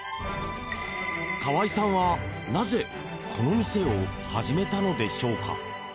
河合さんは、なぜこの店を始めたのでしょうか。